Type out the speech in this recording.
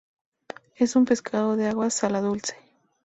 Es un pescado de agua sala-dulce.